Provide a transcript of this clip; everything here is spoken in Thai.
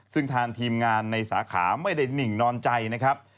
ซึ่งทางทีมงานในสาขาไม่ได้นิ่งนอนใจนะครับ